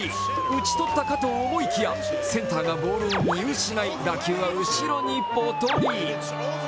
打ち取ったかと思いきや、センターが打球を見失い、打球は後ろへポトリ。